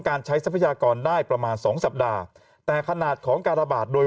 ใช้ทรัพยากรได้ประมาณสองสัปดาห์แต่ขนาดของการระบาดโดย